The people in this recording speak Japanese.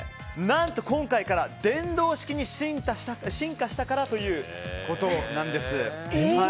何と今回から電動式に進化したからということなんです。